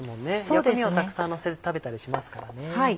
薬味をたくさんのせて食べたりしますからね。